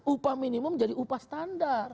upah minimum jadi upah standar